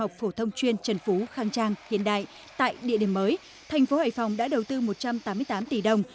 học phổ thông chuyên trần phú khang trang hiện đại tại địa điểm mới thành phố hải phòng đã đầu tư một trăm tám mươi tám tỷ đồng